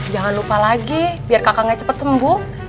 jangan lupa lagi biar kakak gak cepet sembuh